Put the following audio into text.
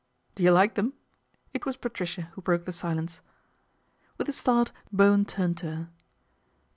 " Do you like them ?" It was Patricia who broke the silence. With a start Bowen turned to her.